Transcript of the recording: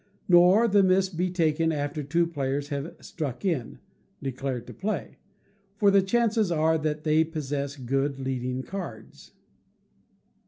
Nor the miss be taken after two players have "struck in" (declared to play), for the chances are that they possess good leading cards.